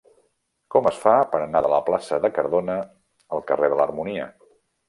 Com es fa per anar de la plaça de Cardona al carrer de l'Harmonia?